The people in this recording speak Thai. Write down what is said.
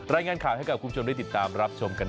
รายงานข่าวให้กับคุณผู้ชมได้ติดตามรับชมกัน